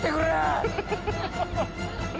ハハハハ！